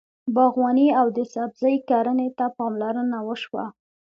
باغواني او د سبزۍ کرنې ته پاملرنه وشوه.